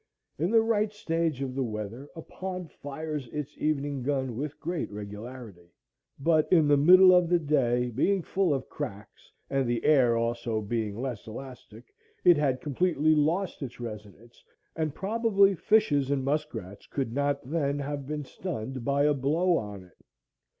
In the right stage of the weather a pond fires its evening gun with great regularity. But in the middle of the day, being full of cracks, and the air also being less elastic, it had completely lost its resonance, and probably fishes and muskrats could not then have been stunned by a blow on it.